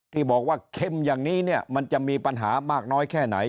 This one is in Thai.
ที่บอกว่าเข้มอย่างนี้เนี่ยมันจะมีปัญหามากน้อยแค่ไหน